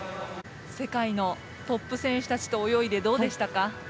世界のトップ選手たちと泳いでどうでしたか。